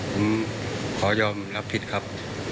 ผมขอยอมรับผิดครับ